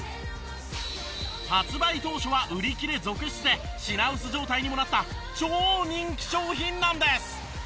発売当初は売り切れ続出で品薄状態にもなった超人気商品なんです。